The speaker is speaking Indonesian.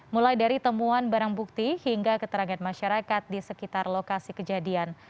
mulai dari temuan barang bukti hingga keterangan masyarakat di sekitar lokasi kejadian